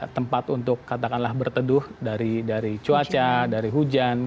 tempat untuk katakanlah berteduh dari cuaca dari hujan